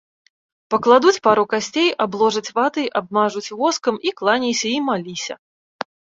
Пакладуць пару касцей, абложаць ватай, абмажуць воскам, і кланяйся, і маліся.